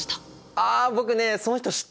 あ僕ねその人知ってるよ。